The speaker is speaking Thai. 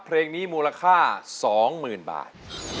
เพลงนี้มูลค่า๒๐๐๐บาท